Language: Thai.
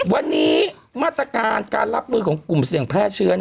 วันนี้มาตรการการรับมือของกลุ่มเสี่ยงแพร่เชื้อ